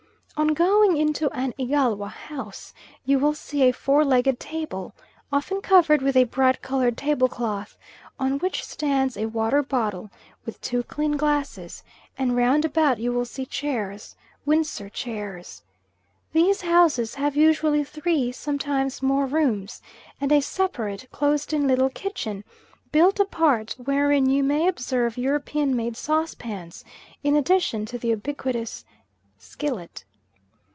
On going into an Igalwa house you will see a four legged table, often covered with a bright coloured tablecloth, on which stands a water bottle, with two clean glasses, and round about you will see chairs Windsor chairs. These houses have usually three, sometimes more rooms, and a separate closed in little kitchen, built apart, wherein you may observe European made saucepans, in addition to the ubiquitous skillet.